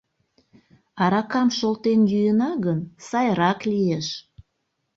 Аракам шолтен йӱына гын, сайрак лиеш!»